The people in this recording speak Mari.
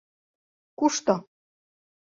— Кушто?